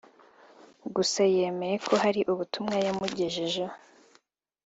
gusa yemera ko hari ubutumwa yamugejejeho